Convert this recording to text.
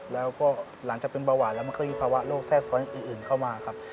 แล้วก็หลังจากเป็นเบาหวานแล้วมันก็มีภาวะโกแทรกซ้อนอื่นเข้ามาครับ